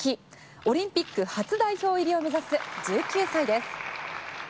オリンピック初代表入りを目指す１９歳です。